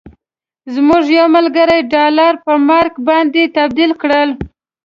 زموږ یو ملګري ډالر په مارک باندې تبدیل کړل.